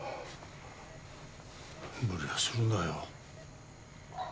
無理はするなよ。